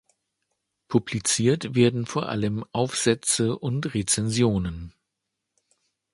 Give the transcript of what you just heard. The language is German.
Publiziert werden vor allem Aufsätze und Rezensionen.